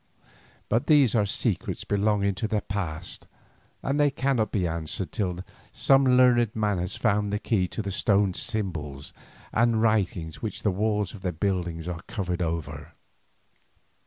But these are secrets belonging to the past, and they cannot be answered till some learned man has found the key to the stone symbols and writings with which the walls of the buildings are covered over.